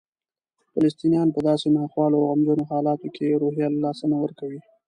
فلسطینیان په داسې ناخوالو او غمجنو حالاتو کې روحیه له لاسه نه ورکوي.